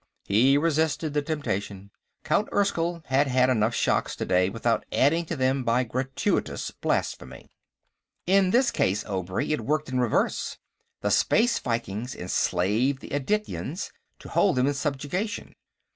He resisted the temptation. Count Erskyll had had enough shocks, today, without adding to them by gratuitous blasphemy. "In this case, Obray, it worked in reverse. The Space Vikings enslaved the Adityans to hold them in subjugation.